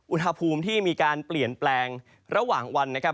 อุณหภูมิที่มีการเปลี่ยนแปลงระหว่างวันนะครับ